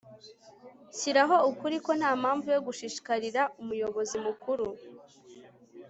shiraho ukuri ko ntampamvu yo gushishikarira umuyobozi mukuru